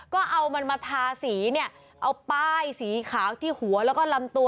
ก็เอามันมาทาสีเนี่ยเอาป้ายสีขาวที่หัวแล้วก็ลำตัว